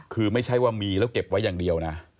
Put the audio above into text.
คือไม่ใช่ว่ามีแล้วเก็บไว้อย่างเดียวนะ